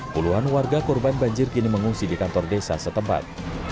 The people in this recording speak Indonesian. puluhan warga korban banjir kini mengungsi di kantor desa setempat